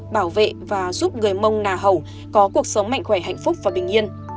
bảo vệ và giúp người mông nà hẩu có cuộc sống mạnh khỏe hạnh phúc và bình yên